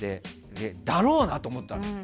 だろうなって思ったの。